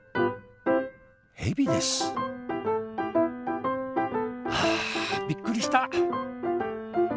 ヘビですはあびっくりした。